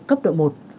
cấp độ một